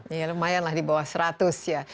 ya lumayan lah di bawah seratus ya